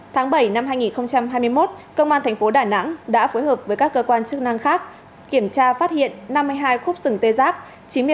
tháng bảy năm hai nghìn hai mươi một công an thành phố đà nẵng đã phối hợp với các cơ quan chức năng khác kiểm tra phát hiện năm mươi hai khúc sừng tê giác